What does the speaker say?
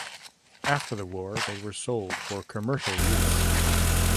After the war they were sold for commercial use.